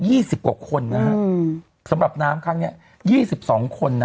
สิบกว่าคนนะฮะอืมสำหรับน้ำครั้งเนี้ยยี่สิบสองคนน่ะ